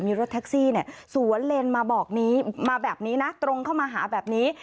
มีรถแท็กซี่เนี่ยสวนเลนมาบอกนี้มาแบบนี้นะตรงเข้ามาหาแบบนี้